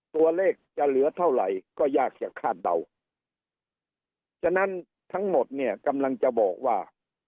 ตัวเลขจะเหลือเท่าไหร่ก็ยากจะคาดเดาฉะนั้นทั้งหมดเนี่ยกำลังจะบอกว่า